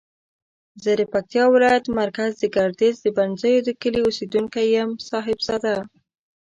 زه د پکتیاولایت مرکز ګردیز د بنزیو دکلی اوسیدونکی یم صاحب زاده